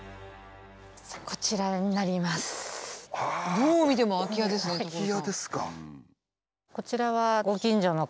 どう見ても空き家ですよ所さん。